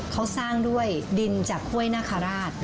เขาสร้างด้วยดินจากห้วยนาคาราช